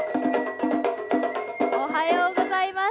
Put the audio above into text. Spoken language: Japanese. おはようございます。